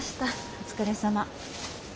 お疲れさま。